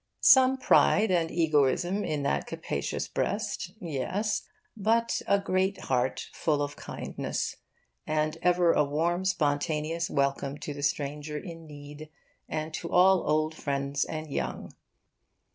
Some pride and egoism in that capacious breast, yes, but a great heart full of kindness, and ever a warm spontaneous welcome to the stranger in need, and to all old friends and young.